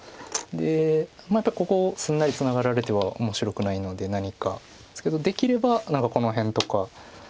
でやっぱりここすんなりツナがられては面白くないので何かですけどできればこの辺とか。